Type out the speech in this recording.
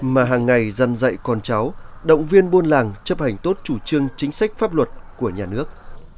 mà hàng ngày dân dạy con cháu động viên buôn làng chấp hành tốt chủ trương chính sách pháp luật của nhà nước